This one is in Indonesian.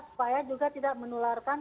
supaya juga tidak menularkan